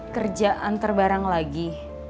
kerjaan terbarang lagi